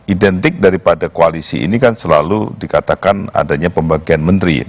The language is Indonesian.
identik daripada koalisi ini kan selalu dikatakan adanya pembagian menteri